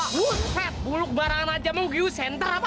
buset buluk barangan aja mau giusenter apa